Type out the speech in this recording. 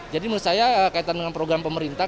jadi menurut saya kaitan dengan program pemerintah